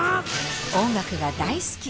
音楽が大好き。